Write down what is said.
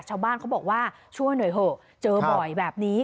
ชาวบ้านเขาบอกว่าช่วยหน่อยเถอะเจอบ่อยแบบนี้